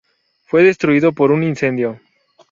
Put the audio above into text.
Fue destruido por un incendio.